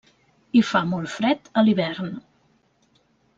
Hi fa molt fred a l'hivern.